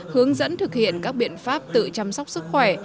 hướng dẫn thực hiện các biện pháp tự chăm sóc sức khỏe